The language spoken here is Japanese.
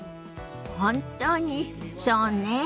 本当にそうね。